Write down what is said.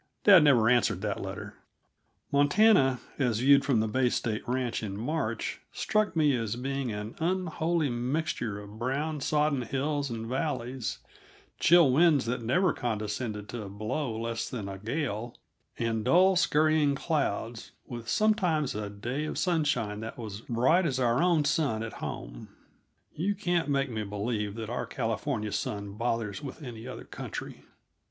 Dad never answered that letter. Montana, as viewed from the Bay State Ranch in March, struck me as being an unholy mixture of brown, sodden hills and valleys, chill winds that never condescended to blow less than a gale, and dull, scurrying clouds, with sometimes a day of sunshine that was bright as our own sun at home. (You can't make me believe that our California sun bothers with any other country.)